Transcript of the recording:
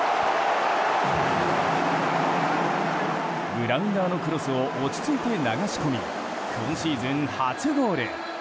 グラウンダーのクロスを落ち着いて流し込み今シーズン初ゴール。